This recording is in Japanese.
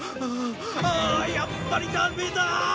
ああやっぱりダメだ！